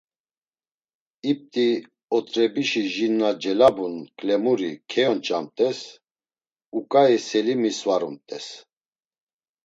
İp̌t̆i ot̆rebişi jin na celabun ǩlemuri keyonç̌amt̆es, uǩai selimi svarumt̆es.